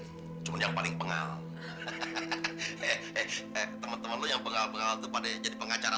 hai cuma yang paling pengal hehehe teman teman lu yang pengal pengal tuh pada jadi pengacara